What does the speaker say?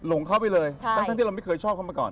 หลงเข้าไปเลยตั้งแต่ที่เราไม่เคยชอบเข้ามาก่อน